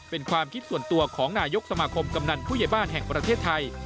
เป็นความคิดส่วนตัวของนายกสมาคมกำนันผู้ใหญ่บ้านแห่งประเทศไทย